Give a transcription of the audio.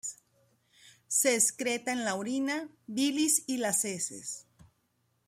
Se excreta en la orina, bilis y las heces.